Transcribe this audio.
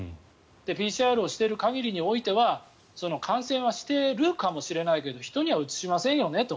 ＰＣＲをしている限りにおいては感染はしているかもしれないけど人にはうつしませんよねと。